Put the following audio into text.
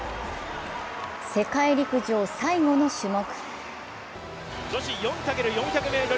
世界陸上最後の種目。